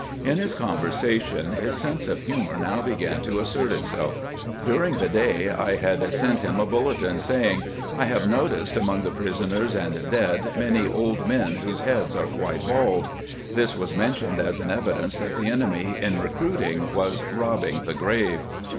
In his conversation his sense of humor now began to assert itself. During the day I had sent him a bulletin saying :" I have noticed among the prisoners and dead many old men whose heads are quite bald." This was mentioned as an evidence that the enemy in recruiting was " robbing the grave."